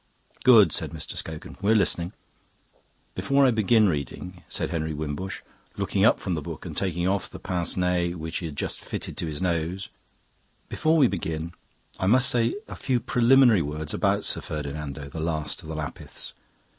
"Good," said Mr. Scogan. "We are listening." "Before I begin reading," said Henry Wimbush, looking up from the book and taking off the pince nez which he had just fitted to his nose "before I begin, I must say a few preliminary words about Sir Ferdinando, the last of the Lapiths.